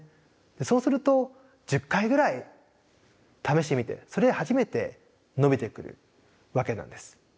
そうすると１０回ぐらい試してみてそれで初めて伸びてくるわけなんです。